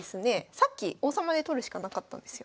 さっき王様で取るしかなかったんですよ。